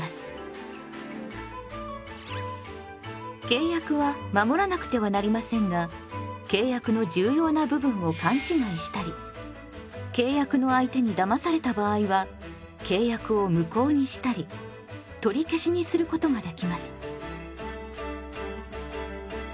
契約は守らなくてはなりませんが契約の重要な部分を勘違いしたり契約の相手にだまされた場合は契約を無効にしたり取り消しにすることができます。